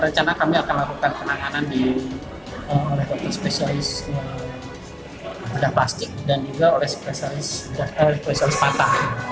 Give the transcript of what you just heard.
rencana kami akan lakukan penanganan oleh dokter spesialis bedah plastik dan juga oleh spesialis patah